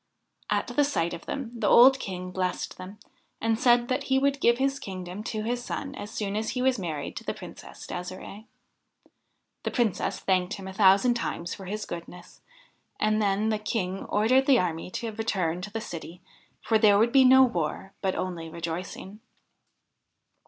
At sight of them the old King blessed them, and said that he would give his kingdom to his son as soon as he was married to the Princess De'sire'e. The Princess thanked him a thousand times for his goodness, and then the King ordered the army to return to the city, for there would be no war, but only rejoicing.